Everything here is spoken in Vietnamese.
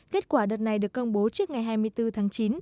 kết quả đợt này được công bố trước ngày hai mươi bốn tháng chín